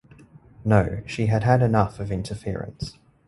No, she had had enough of interference.